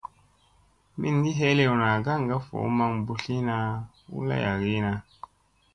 Mingi helewna kaŋga voo maŋ mbutliina u layagiina.